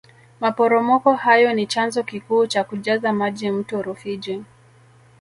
maporomoko hayo ni chanzo kikuu cha kujaza maji mto rufiji